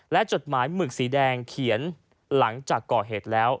และจดหมายหมึกสีแดงเขียนหลังจากก่อเหตุแล้ว